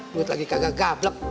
buat lagi kagak gablek